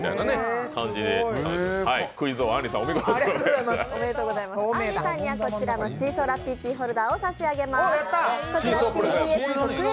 あんりさんにはこちらのチーソーラッピーキーホルダーを差し上げます。